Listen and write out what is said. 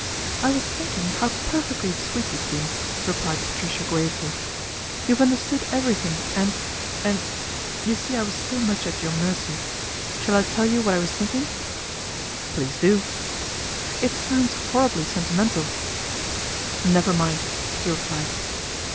" I was thinking how perfectly sweet you've been," replied Patricia gravely. ' You have understood everything and and you see I was so much at your mercy. Shall I tell you what I was thinking ?"" Please do." " It sounds horribly sentimental." " Never mind," he replied.